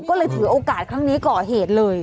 ก็เลยถือโอกาสครั้งนี้ก่อเหตุเลย